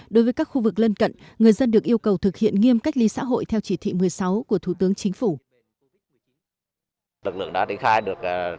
đối với các khu vực lân cận người dân được yêu cầu thực hiện nghiêm cách ly xã hội theo chỉ thị một mươi sáu của thủ tướng chính phủ